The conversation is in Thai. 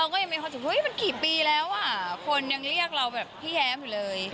เราก็ยังมีความสุขนะว่าเอ้ยมันกี่ปีแล้วอ่ะคนยังเรียกเราแบบพี่แย๊มเลย